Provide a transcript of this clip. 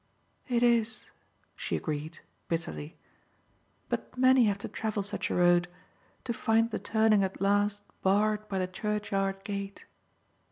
"It is," she agreed, bitterly, "but many have to travel such a road, to find the turning at last barred by the churchyard gate."